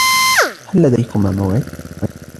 هل لديكما موعد؟